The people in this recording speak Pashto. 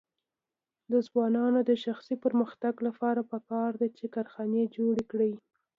د ځوانانو د شخصي پرمختګ لپاره پکار ده چې کارخانې جوړې کړي.